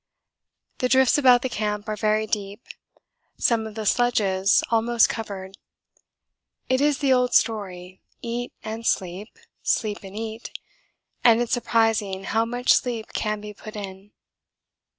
The drifts about the camp are very deep some of the sledges almost covered. It is the old story, eat and sleep, sleep and eat and it's surprising how much sleep can be put in.